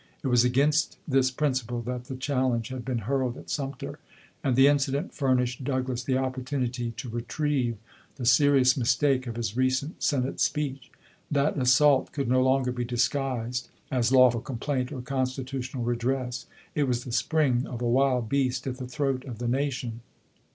It was against this prin ciple that the challenge had been hurled at Sumter, and the incident furnished Douglas the opportunity to retrieve the serious mistake of his recent Senate speech. That assault could no longer be disguised as lawful complaint or constitutional redress — it was the spring of a wild beast at the throat of the nation.